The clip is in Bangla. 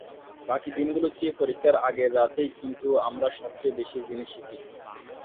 বাকি দিনগুলোর চেয়ে পরীক্ষার আগের রাতেই কিন্তু আমরা সবচেয়ে বেশি জিনিস শিখি।